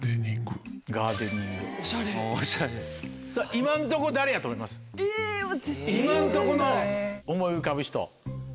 今んとこの思い浮かぶ人。